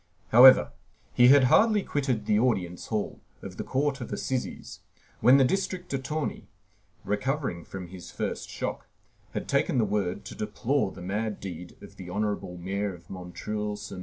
However, he had hardly quitted the audience hall of the Court of Assizes, when the district attorney, recovering from his first shock, had taken the word to deplore the mad deed of the honorable mayor of M. sur M.